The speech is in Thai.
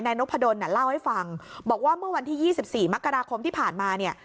นพดลเล่าให้ฟังบอกว่าเมื่อวันที่๒๔มกราคมที่ผ่านมาเนี่ย